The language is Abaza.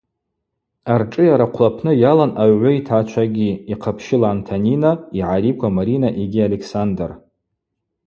Аршӏыйара хъвлапны йалан агӏвгӏвы йтгӏачвагьи – йхъапщыла Антонина, йгӏариква Марина йгьи Александр.